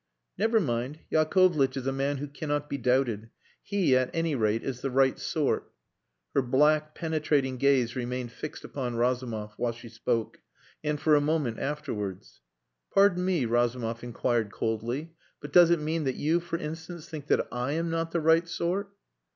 "Never mind. Yakovlitch is a man who cannot be doubted. He, at any rate, is the right sort." Her black, penetrating gaze remained fixed upon Razumov while she spoke, and for a moment afterwards. "Pardon me," Razumov inquired coldly, "but does it mean that you, for instance, think that I am not the right sort?"